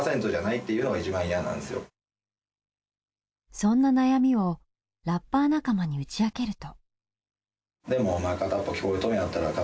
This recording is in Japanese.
そんな悩みをラッパー仲間に打ち明けると。